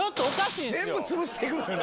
全部つぶしていくのよね